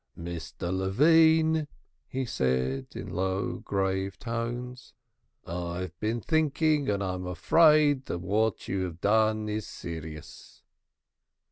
"Mr. Levine," he said, in low grave tones, "I have been thinking, and I am afraid that what you have done is serious."